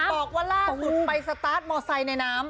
บอกว่าล่าสุดไปสตาร์ทมอไซค์ในน้ำ